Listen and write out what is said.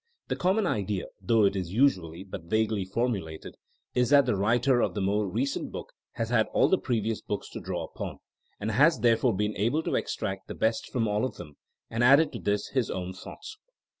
The cjommon idea, though it is usually but vaguely formulated, is that the writer of the more recent book has had all the previous books to draw upon, and has therefore been able to extract the best from all of them and add to this his own thoughts.